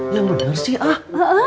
ya bener sih a